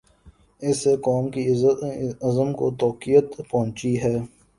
اس سے قوم کے عزم کو تقویت پہنچی ہے۔